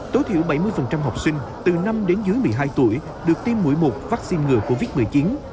tối thiểu bảy mươi học sinh từ năm đến dưới một mươi hai tuổi được tiêm mũi một vaccine ngừa covid một mươi chín